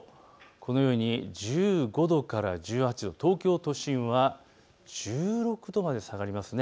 このように１５度から１８度、東京都心は１６度まで下がります。